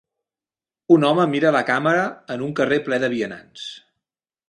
Un home mira la càmera en un carrer ple de vianants.